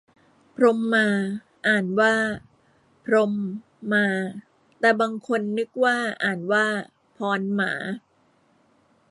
พรหมา อ่านว่าพรม มา แต่บางคนนึกว่าอ่านว่าพอน หมา